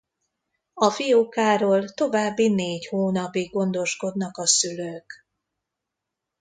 A fiókáról további négy hónapig gondoskodnak a szülők.